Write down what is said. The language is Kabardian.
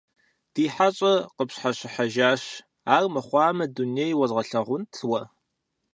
Ди хьэщӀэр къыпщхьэщыжащ армыхъуамэ дуней уэзгъэлъагъунт уэ.